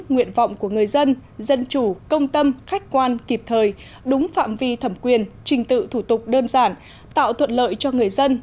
nguyện vọng của người dân dân chủ công tâm khách quan kịp thời đúng phạm vi thẩm quyền trình tự thủ tục đơn giản tạo thuận lợi cho người dân